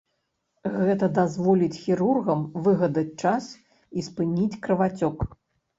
Гэта дазволіць хірургам выгадаць час і спыніць крывацёк.